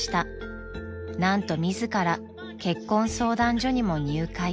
［何と自ら結婚相談所にも入会］